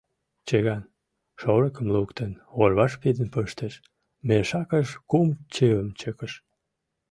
Чыган, шорыкым луктын, орваш пидын пыштыш, мешакыш кум чывым чыкыш.